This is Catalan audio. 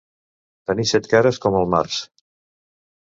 Tenir set cares com el març.